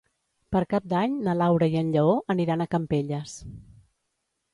Per Cap d'Any na Laura i en Lleó aniran a Campelles.